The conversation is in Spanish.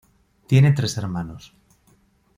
Tiene tres hermanos.